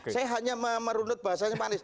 saya hanya merundut bahasanya